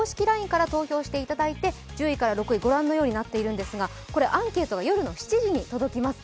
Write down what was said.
ＬＩＮＥから投票していただいて１０位から６位、ご覧のようになっているんですが、アンケートは夜の７時に届きます。